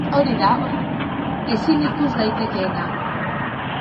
Ezin ikus daitekeena